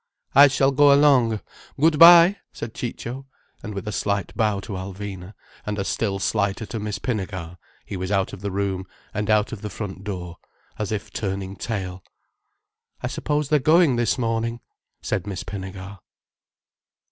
"I shall go along. Good bye!" said Ciccio, and with a slight bow to Alvina, and a still slighter to Miss Pinnegar, he was out of the room and out of the front door, as if turning tail. "I suppose they're going this morning," said Miss Pinnegar.